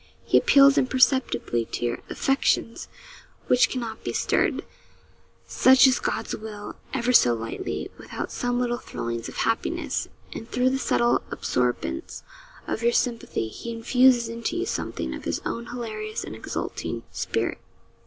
He appeals imperceptibly to your affections, which cannot be stirred such is God's will ever so lightly, without some little thrillings of happiness; and through the subtle absorbents of your sympathy he infuses into you something of his own hilarious and exulting spirit.